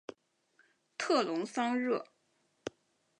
特龙桑热。